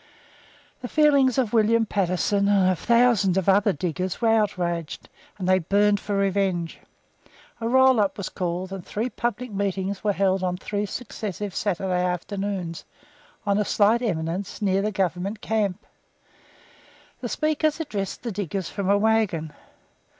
The feelings of William Patterson, and of thousands of other diggers, were outraged, and they burned for revenge. A roll up was called, and three public meetings were held on three successive Saturday afternoons, on a slight eminence near the Government camp. The speakers addressed the diggers from a wagon.